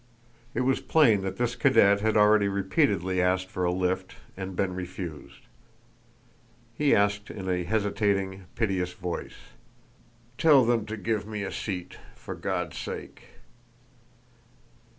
It was plain that this cadet had already repeatedly asked for a lift and been refused. He asked in a hesitating, piteous voice. "Tell them to give me a seat, for God's sake!"